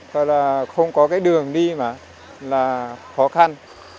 rồi là không có cái đường đi mà là khó khăn